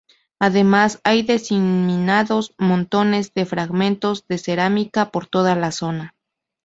Además hay diseminados montones de fragmentos de cerámica por toda la zona.